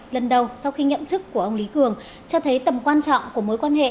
lần đầu sau khi nhậm chức của ông lý cường cho thấy tầm quan trọng của mối quan hệ